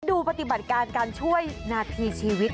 ดูปฏิบัติการการช่วยนาทีชีวิต